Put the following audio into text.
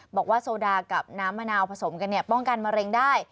บอกว่าโซดากับน้ำมะนาวผสมกันป้องกันมะเร็งได้